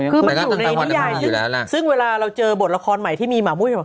คือมันอยู่ในนิยายซึ่งเวลาเราเจอบทละครใหม่ที่มีหมามุ้ย